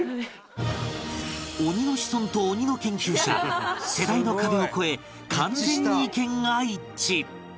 鬼の子孫と鬼の研究者世代の壁を越え完全に意見が一致